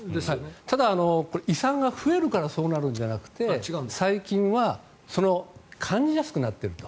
ただ、胃酸が増えるからそうなるんじゃなくて最近は感じやすくなっていると。